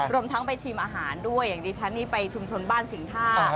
รวมทั้งไปชิมอาหารด้วยอย่างดิฉันนี่ไปชุมชนบ้านสิงท่า